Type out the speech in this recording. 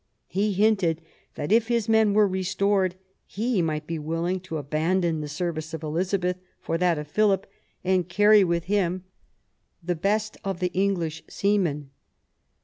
He hinted that, if his men were restored, he might be willing to abandon the service of Elizabeth for that of Philip, and carry with him the best of the English seamen.